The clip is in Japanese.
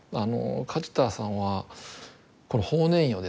梶田さんはこの法然院をですね